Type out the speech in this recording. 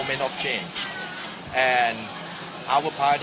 คุณคิดเรื่องนี้ได้ไหม